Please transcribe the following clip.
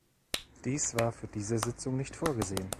Dies war für diese Sitzung nicht vorgesehen.